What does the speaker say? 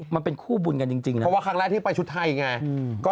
ไม่รู้หรอไม่รู้ใช่ไงอะไรอ่ะไม่สาป